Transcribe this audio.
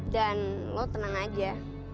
dan lo tenang aja